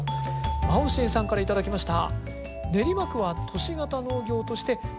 マオシンさんから頂きました。